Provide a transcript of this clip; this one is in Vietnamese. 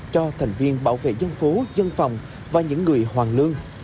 cho thành viên bảo vệ dân phố dân phòng và những người hoàng lương